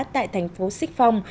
tại thành phố xích phong